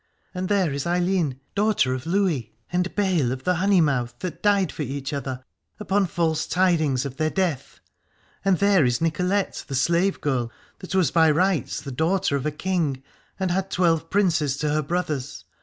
And there is Ailinn, daughter of Lugaidh, and Baile of the Honey Mouth, that died each for other, upon false tidings of their death. And there is Nicolette the slave girl, that was by rights the daughter of a king, and had twelve princes to her brothers.